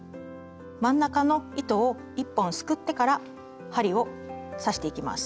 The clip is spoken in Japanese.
真ん中の糸を１本すくってから針を刺していきます。